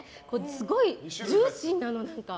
すごい、ジューシーなの。